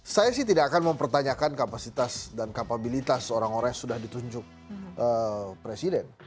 saya sih tidak akan mempertanyakan kapasitas dan kapabilitas orang orang yang sudah ditunjuk presiden